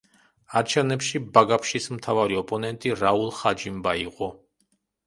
არჩევნებში ბაგაფშის მთავარი ოპონენტი რაულ ხაჯიმბა იყო.